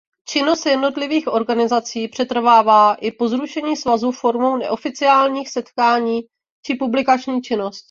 Činnost jednotlivých organizací přetrvává i po zrušení svazu formou neoficiálních setkání či publikační činnosti.